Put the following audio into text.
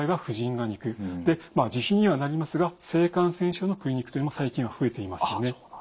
自費にはなりますが性感染症のクリニックというのも最近は増えていますよね。